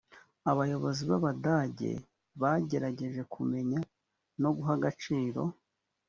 abayobozi b abadage bagerageje kumenya no guha agaciro